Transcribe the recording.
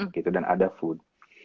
gitu dan ada food